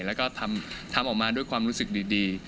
แล้วก็ทำออกมาด้วยความรู้สึกดี